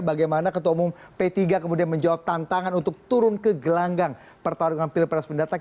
bagaimana ketua umum p tiga kemudian menjawab tantangan untuk turun ke gelanggang pertarungan pilpres mendatang